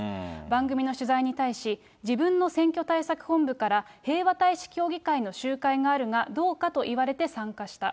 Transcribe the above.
番組の取材に対し、自分の選挙対策本部から平和大使協議会の集会があるが、どうかと言われて参加した。